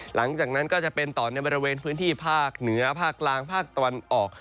หลังจากนั้นก็จะเป็นต่อในบริเวณพื้นที่ภาคเหนือภาคกลางภาคตะวันออก